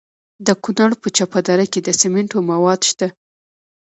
د کونړ په چپه دره کې د سمنټو مواد شته.